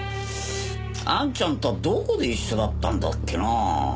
あんちゃんとはどこで一緒だったんだっけな？